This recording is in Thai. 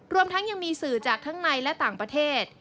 รวมทั้งยังมีสื่อจากทั้งในและต่างประเทศ